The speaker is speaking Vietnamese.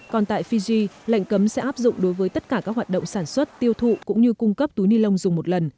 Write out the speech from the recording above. còn tại fiji lệnh cấm sẽ áp dụng đối với tất cả các hoạt động sản xuất tiêu thụ cũng như cung cấp túi ni lông dùng một lần